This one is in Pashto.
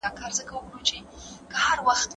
اوږدمهاله فشار خپګان زیاتوي.